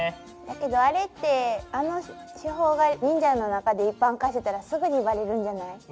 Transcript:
だけどあれってあの手法が忍者の中で一般化してたらすぐにバレるんじゃない？